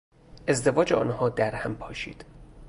ازدواج آنها در هم پاشید.